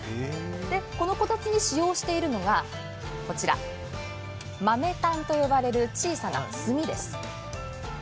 このこたつに使用しているのはこちら、豆炭と呼ばれる小さな炭です。